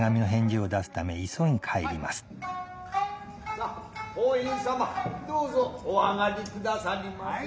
サァ法印様どうぞお上り下さりませ。